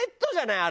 あれ。